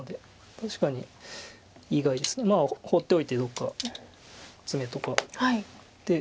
確かに意外ですが放っておいてどっかツメとか打って。